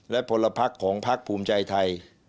และพลพรรคของพรรคภูมิใจไทย